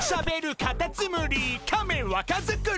カタツムリカメわか作り」